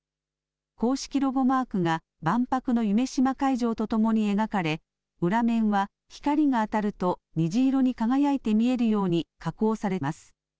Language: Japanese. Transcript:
公式ロゴマークが万博の夢洲会場と共に描かれ裏面は光が当たると虹色に輝いて見えるように加工されます。